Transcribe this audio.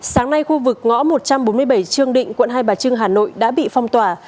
sáng nay khu vực ngõ một trăm bốn mươi bảy trương định quận hai bà trưng hà nội đã bị phong tỏa